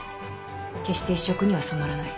決して一色には染まらない。